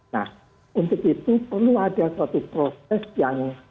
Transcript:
nah untuk itu perlu ada suatu proses yang